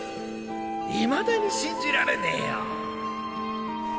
いまだに信じられねぇよ。